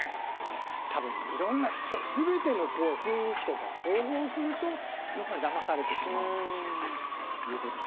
多分、いろんな全ての雰囲気とかを総合するとだまされてしまうということ。